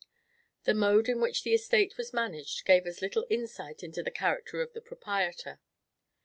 The mode in which the estate was managed gave as little insight into the character of the proprietor.